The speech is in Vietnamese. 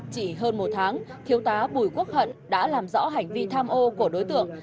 chỉ hơn một tháng thiếu tá bùi quốc hận đã làm rõ hành vi tham ô của đối tượng